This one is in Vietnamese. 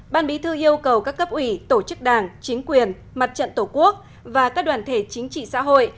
ban bí thư yêu cầu các cấp ủy tổ chức đảng chính quyền mặt trận tổ quốc và các đoàn thể chính trị xã hội